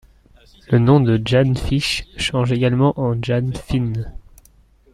Le nom de Jane Fish change également en Jane Finn.